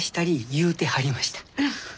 言うてはりました。